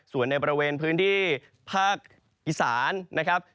ส่วนในบริเวณพื้นที่ภาคอีสานนะครับ